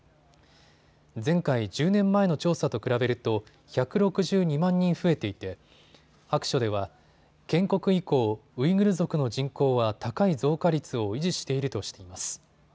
前回１０年前の調査と比べると１６２万人増えていて白書では建国以降、ウイグル族の人口は高い増加率を維持しているとしています。